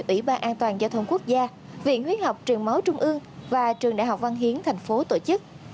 ủy ban an toàn giao thông quốc gia viện huyết học trường máu trung ương và trường đại học văn hiến tp hcm